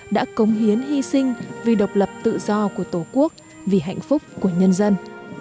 đã cống hiến hy sinh vì độc lập tự do của tổ quốc vì hạnh phúc của nhân dân